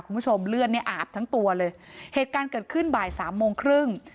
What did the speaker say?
คุณผู้ชมเลือดเนี่ยอาบทั้งตัวเลยเหตุการณ์เกิดขึ้นบ่ายสามโมงครึ่ง